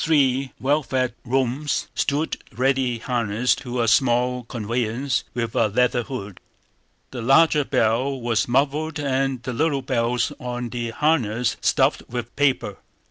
Three well fed roans stood ready harnessed to a small conveyance with a leather hood. The larger bell was muffled and the little bells on the harness stuffed with paper.